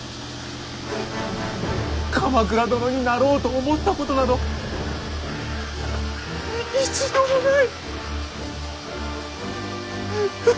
鎌倉殿になろうと思ったことなど一度もない！